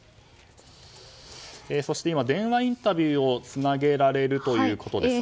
そして今、電話インタビューをつなげられるということです。